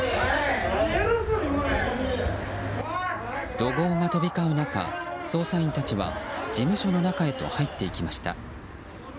怒号が飛び交う中捜査員たちは事務所の中へと入っていきました。